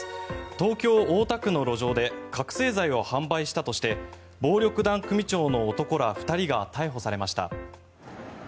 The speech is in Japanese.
東京・大田区の路上で覚醒剤を販売したとして暴力団組長の男ら２人が逮捕されました。